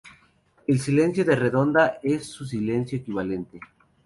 El silencio de redonda es su silencio equivalente.